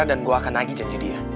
dan gue akan lagi janji dia